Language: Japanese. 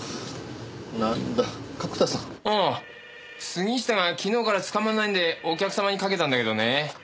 杉下が昨日からつかまらないんでお客様にかけたんだけどね。